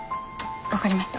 分かりました。